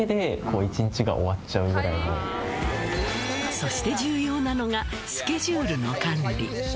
そして重要なのがスケジュールの管理